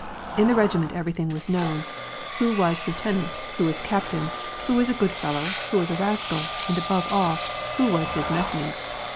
In the regiment everything was known: who was lieutenant, who was captain, who was a good fellow, who was a rascal, and above all, who was his messmate.